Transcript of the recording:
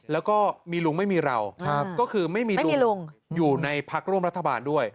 แล้วก็มีลุงไม่มีเราก็คือไม่มีลุงอยู่ในพักร่วมรัฐบาลด้วย